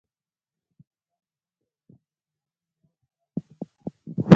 دا مې دنده ده چې د کمزوري مرسته وکړم.